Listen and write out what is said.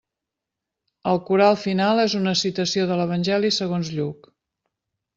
El coral final és una citació de l'Evangeli segons Lluc.